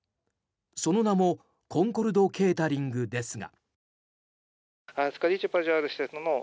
その名もコンコルド・ケータリングですが。